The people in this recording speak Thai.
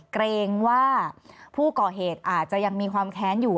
เกรงว่าผู้ก่อเหตุอาจจะยังมีความแค้นอยู่